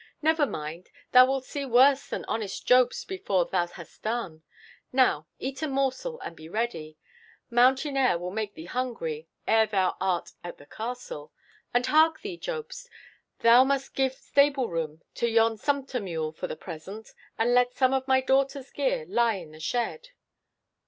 Never mind, thou wilt see worse than honest Jobst before thou hast done. Now, eat a morsel and be ready—mountain air will make thee hungry ere thou art at the castle. And, hark thee, Jobst, thou must give stable room to yon sumpter mule for the present, and let some of my daughter's gear lie in the shed."